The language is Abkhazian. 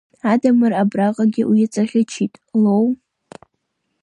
Адамыр абраҟагьы уиҵаӷьычит, Лоу.